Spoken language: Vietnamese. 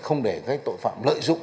không để cái tội phạm lợi dụng